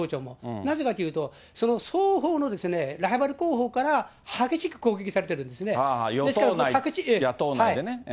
なぜかというと、その双方のライバル候補から激しく攻撃されてる与党内、野党内でね。